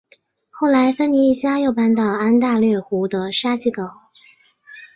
后来芬尼一家又搬到安大略湖的沙吉港。